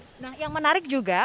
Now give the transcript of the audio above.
nah yang menarik juga